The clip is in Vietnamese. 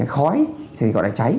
khói thì gọi là cháy